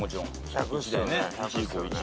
１００っすよね。